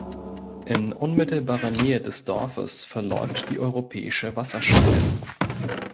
In unmittelbarer Nähe des Dorfes verläuft die europäische Wasserscheide.